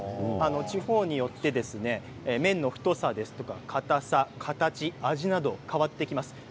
地方によって麺の太さや硬さ、形、味など変わってきます。